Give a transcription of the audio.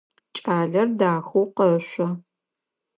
Кӏалэр дахэу къэшъо.